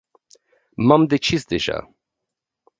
M-am decis deja.